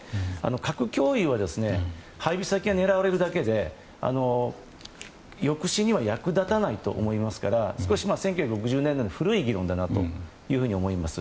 核共有は配備先が狙われるだけで抑止には役立たないと思いますから、１９６０年代の古い議論だなと思います。